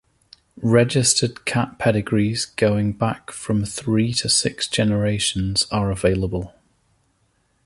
Registered cat pedigrees going back from three to six generations are available.